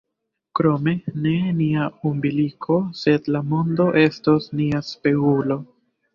Krome, ne nia umbiliko, sed la mondo estos nia spegulo.